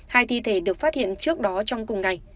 hai thi thể được phát hiện trước đó trong cùng ngày